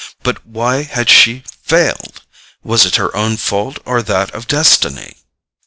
But why had she failed? Was it her own fault or that of destiny?